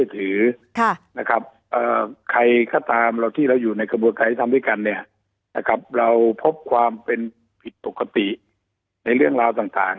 สักประมาณวันไหนที่เราเห็นท่านเป็นผู้แถลงข้าว